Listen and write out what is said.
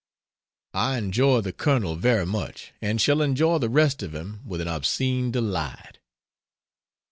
I enjoy the Colonel very much, and shall enjoy the rest of him with an obscene delight.